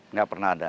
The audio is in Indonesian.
nggak pernah ada